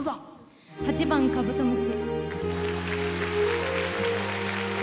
８番「カブトムシ」。